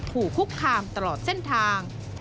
ถูกคุกคามตลอดเส้นทาง